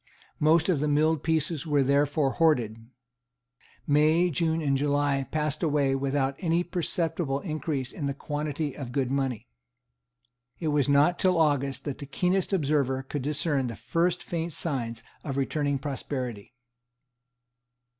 Most of the milled pieces were therefore hoarded. May, June and July passed away without any perceptible increase in the quantity of good money. It was not till August that the keenest observer could discern the first faint signs of returning prosperity.